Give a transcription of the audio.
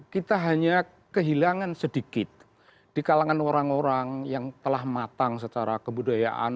kita hanya kehilangan sedikit di kalangan orang orang yang telah matang secara kebudayaan